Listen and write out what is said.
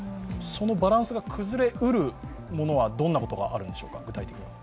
そのバランスが崩れうるものは具体的にどんなものがあるんでしょうか。